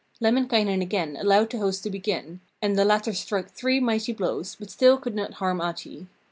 Lemminkainen again allowed the host to begin, and the latter struck three mighty blows, but still could not harm Ahti.